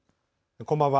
こんばんは。